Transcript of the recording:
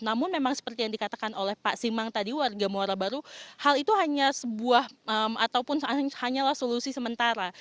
namun memang seperti yang dikatakan oleh pak simang tadi warga muara baru hal itu hanya sebuah ataupun hanyalah solusi sementara